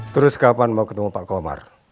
terus kapan mau ketemu pak komar